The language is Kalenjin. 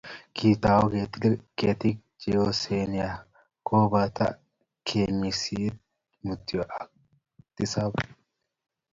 kitou ketile ketik cheyosen yekakobata kenyisiek muutu akoi tisab